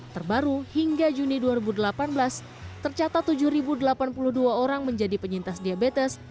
terbaru hingga juni dua ribu delapan belas tercatat tujuh delapan puluh dua orang menjadi penyintas diabetes